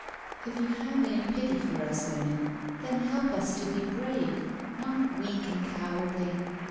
" If you have any pity for us women, then help us to be brave/ not weak and cowardly.